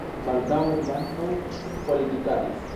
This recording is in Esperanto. Baldaŭe li ankaŭ politikadis.